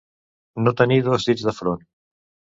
No tenir dos dits de front.